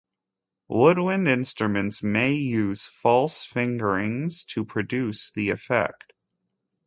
Woodwind instruments may use "false fingerings" to produce the effect.